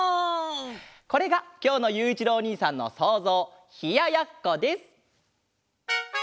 こちらがきょうのゆういちろうおにいさんのそうぞう「ひややっこ」です！